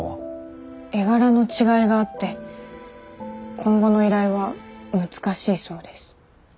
絵柄の違いがあって今後の依頼は難しいそうです。